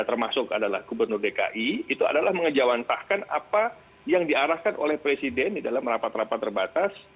termasuk adalah gubernur dki itu adalah mengejawantahkan apa yang diarahkan oleh presiden di dalam rapat rapat terbatas